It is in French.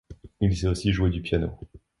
Il sait aussi jouer du piano.